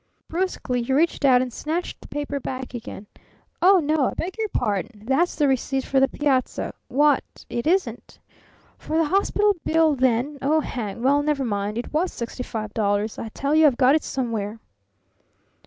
Brusquely he reached out and snatched the paper back again. "Oh, no, I beg your pardon. That's the receipt for the piazza. What? It isn't? For the hospital bill then? Oh, hang! Well, never mind. It was sixty five dollars. I tell you I've got it somewhere."